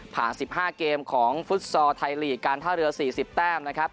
๑๕เกมของฟุตซอร์ไทยลีกการท่าเรือ๔๐แต้มนะครับ